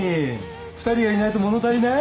２人がいないと物足りない？